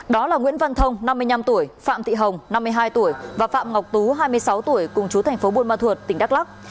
đó là nguyễn văn thông năm mươi năm tuổi phạm thị hồng năm mươi hai tuổi và phạm ngọc tú hai mươi sáu tuổi cùng chú thành phố buôn ma thuột tỉnh đắk lắc